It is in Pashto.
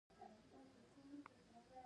د بهرنیو توکو بایکاټ ممکن دی؟